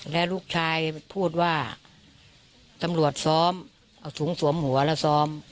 แล้วลูกชายพูดว่าตำรวจซ้อมเอาถุงสวมหัวแล้วซ้อม